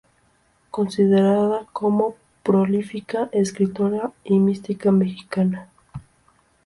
Considerada como prolífica escritora y mística mexicana.